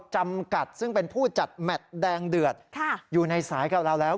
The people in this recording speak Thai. จำกัดซึ่งเป็นผู้จัดแมทแดงเดือดอยู่ในสายกับเราแล้ว